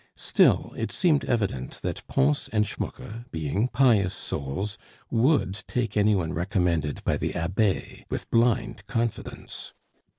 Still, it seemed evident that Pons and Schmucke, being pious souls, would take any one recommended by the Abbe, with blind confidence.